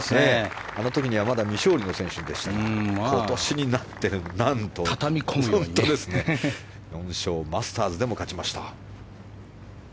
あの時にはまだ未勝利の選手でしたが今年になって、何と４勝マスターズでも勝ちました。